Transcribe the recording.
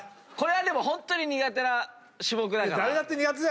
でもホントに苦手な種目だから。